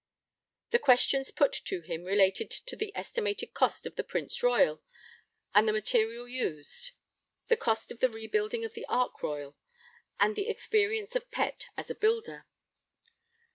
The questions put to him related to the estimated cost of the Prince Royal and the material used; the cost of the rebuilding of the Ark Royal; and the experience of Pett as a builder.